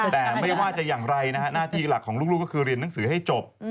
แต่ไม่ว่าจะอย่างไรนะฮะหน้าที่หลักของลูกก็คือเรียนหนังสือให้จบ